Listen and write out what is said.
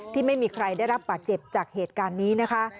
ที่ไม่มีใครได้รับบาดเจ็บจากเหตุการณ์นี้นะคะ